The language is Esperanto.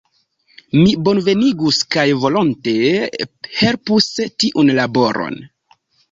Mi bonvenigus kaj volonte helpus tiun laboron.